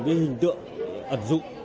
cái hình tượng ẩn dụng